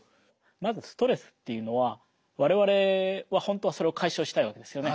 まずストレスっていうのは我々は本当はそれを解消したいわけですよね。